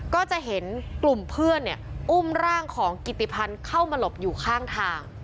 ก็จะเห็นกลุ่มเพื่อนเนี่ยอุ้มร่างของกิติพันธ์เข้ามาหลบอยู่ข้างทาง